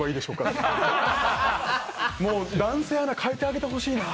ともう男性アナかえてあげてほしいな。